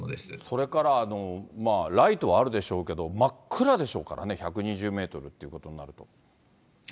それからライトはあるでしょうけど、真っ暗でしょうからね、１２０メートルっていうことになると。